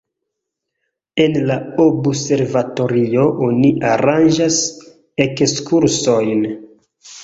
En la observatorio oni aranĝas ekskursojn.